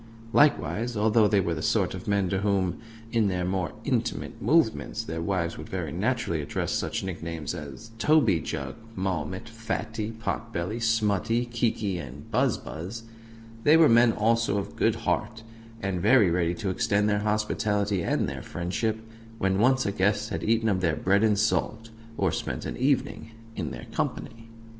Likewise, although they were the sort of men to whom, in their more intimate movements, their wives would very naturally address such nicknames as "Toby Jug," "Marmot," "Fatty," "Pot Belly," "Smutty," "Kiki," and "Buzz Buzz," they were men also of good heart, and very ready to extend their hospitality and their friendship when once a guest had eaten of their bread and salt, or spent an evening in their company.